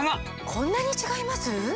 こんなに違います！？